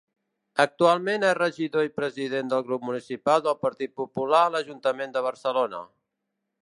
Actualment és regidor i president del grup municipal del Partit Popular a l'Ajuntament de Barcelona.